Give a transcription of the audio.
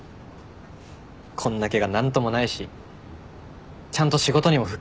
こんなケガ何ともないしちゃんと仕事にも復帰するから。